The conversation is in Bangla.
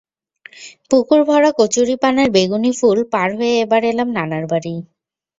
পুকুর ভরা কচুরিপানার বেগুনি ফুল পার হয়ে এবার এলাম নানার বাড়ি।